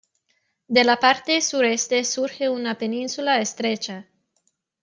De la parte sureste surge una península estrecha.